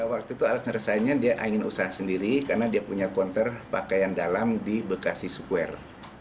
waktu itu alasaner signnya dia ingin usaha sendiri karena dia punya konter pakaian dalam di bekasi square